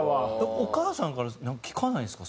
お母さんから聞かないんですか？